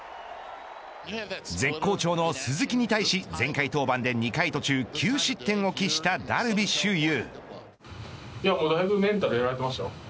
絶好調の鈴木に対し、前回登板で２回途中９失点を喫したダルビッシュ有。